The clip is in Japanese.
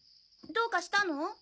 どうかしたの？